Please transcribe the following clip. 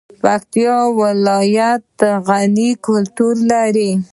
پکتیا ولایت غني کلتور لري